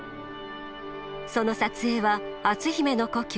その撮影は篤姫の故郷